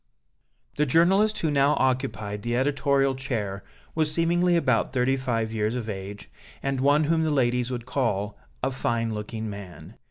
The journalist who now occupied the editorial chair was seemingly about thirty five years of age, and one whom the ladies would call "a fine looking man."